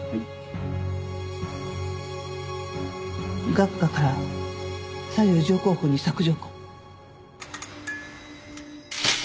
顎下から左右上後方に索条痕。